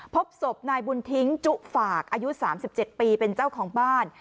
พบศพนายบุญทิ้งจุฝากอายุ๓๗ปีเป็นเจ้าของบ้าน